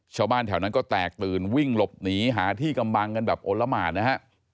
ชาวบ้านแถวนั้นก็แตกตื่นวิ่งหลบหนีหาที่กำบังกันแบบโอละหมานนะฮะ